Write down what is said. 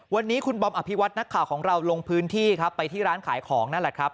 วันนี้คุณบอมอภิวัตินักข่าวของเราลงพื้นที่ครับไปที่ร้านขายของนั่นแหละครับ